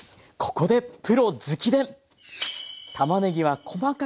ここでプロ直伝！